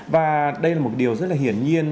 và đây là một điều rất hiển nhiên